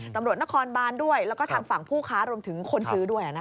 ตำรวจนครบานด้วยแล้วก็ทางฝั่งผู้ค้ารวมถึงคนซื้อด้วย